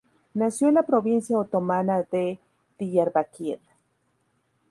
Nació en la provincia otomana de Diyarbakir.